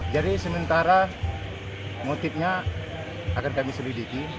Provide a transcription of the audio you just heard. jadi sementara motifnya akan kami selidiki